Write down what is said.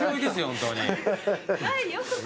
本当に。